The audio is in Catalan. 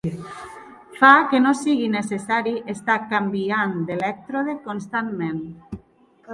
Fa que no sigui necessari estar canviant d'elèctrode constantment.